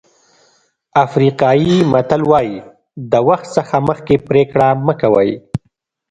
افریقایي متل وایي د وخت څخه مخکې پرېکړه مه کوئ.